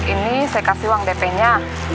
ini saya kasih uang dp nya